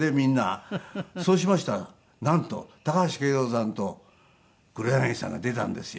そうしましたらなんと高橋圭三さんと黒柳さんが出たんですよ。